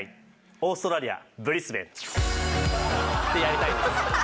オーストラリアブリスベン！ってやりたいんです。